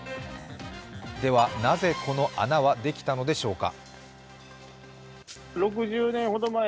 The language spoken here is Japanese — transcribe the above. ではなぜ、この穴はできたのでしょうか。